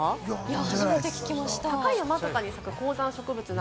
初めて聞きました。